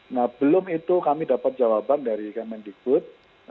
nah belum itu kami dapat jawaban dari kementerian diput